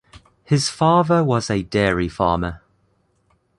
His father was a dairy farmer.